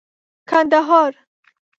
کندهار